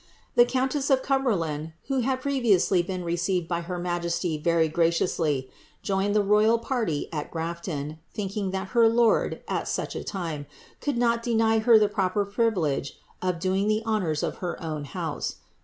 The countess of Ciim bcrlanil, who had previously been received by her majeslv verv cw eiously, joined the roval pariy at Grafton, thinking that her lord, ai fUL ii a lime, could not deny her the proper privilpne of doinj the honour? 1. 1 her otvn house.